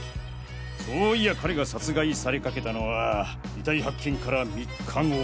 そういや彼が殺害されかけたのは遺体発見から３日後。